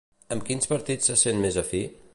Amb quins partits se sent més afí?